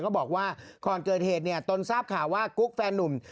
บอกว่าก่อนเกิดเหตุเนี่ยตนทราบข่าวว่ากุ๊กแฟนนุ่ม